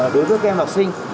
đối với các em học sinh